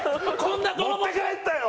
持って帰ったよ！